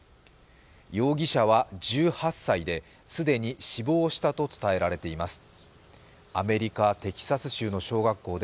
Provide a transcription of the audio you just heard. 容疑者は１８歳で、既に死亡したと伝えられています。